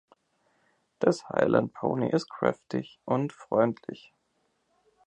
Das Highland Pony ist kräftig und freundlich.